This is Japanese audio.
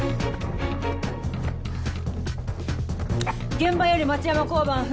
現場より町山交番藤。